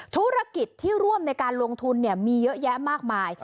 ธุรกิจที่ร่วมในการลงทุนมีเยอะแยะมากมาย